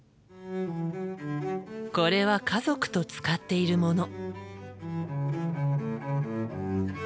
これは家族と使っているもの。